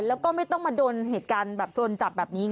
แล้วก็ไม่ต้องมาโดนเหตุการณ์แบบโดนจับแบบนี้ไง